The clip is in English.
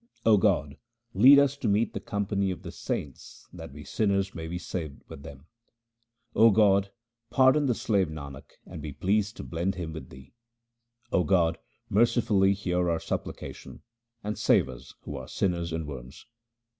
O God, lead us to meet the company of the saints that we sinners may be saved with them ! O God, pardon the slave Nanak and be pleased to blend him with Thee ! O God, mercifully hear our supplication, and save us who are sinners and worms